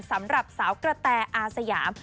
สำหรับสาวกระแตอาสยาม